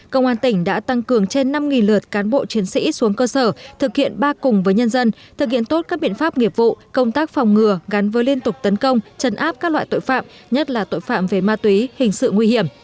công an tỉnh đã tăng cường trên năm lượt cán bộ chiến sĩ xuống cơ sở thực hiện ba cùng với nhân dân thực hiện tốt các biện pháp nghiệp vụ công tác phòng ngừa gắn với liên tục tấn công chấn áp các loại tội phạm nhất là tội phạm về ma túy hình sự nguy hiểm